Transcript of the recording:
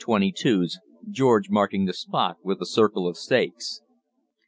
22's, George marking the spot with a circle of stakes.